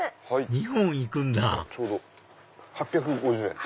２本いくんだちょうど８５０円。